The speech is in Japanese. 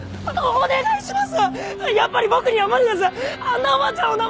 お願いします！